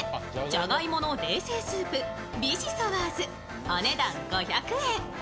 じゃがいもの冷製スープ・ビシソワーズ、お値段５００円。